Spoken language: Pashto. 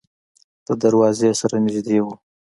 د دروازې سره نږدې و.